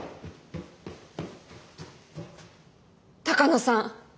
鷹野さん